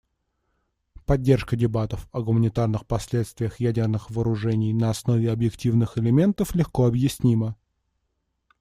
Поддержка дебатов о гуманитарных последствиях ядерных вооружений на основе объективных элементов легко объяснима.